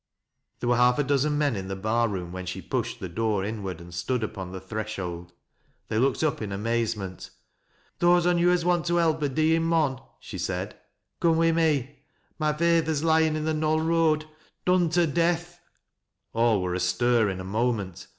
There were half a dozen men in the bar room when she pushed the door inward and stood upon the threshold. They looked up in amazement. " Those on yo' as want to help a deeing mon," she said, "couje wi' me. My feyther's lyin' in the KjioU Koad, done to death." All were astir in a moment.